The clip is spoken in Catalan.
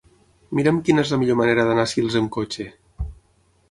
Mira'm quina és la millor manera d'anar a Sils amb cotxe.